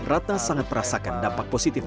ratna sangat merasakan dampak positif